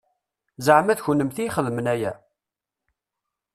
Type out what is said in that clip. Zeɛma d kennemti i ixedmen aya?